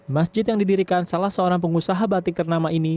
masjid yang didirikan salah seorang pengusaha batik ternama ini